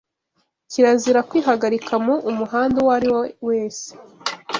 Kirazira kwihagarika mu’ umuhanda uwo ariwe wese